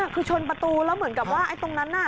คือชนประตูแล้วเหมือนกับว่า